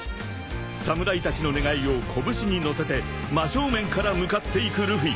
［侍たちの願いを拳にのせて真正面から向かっていくルフィ］